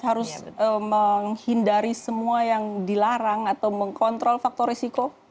harus menghindari semua yang dilarang atau mengkontrol faktor risiko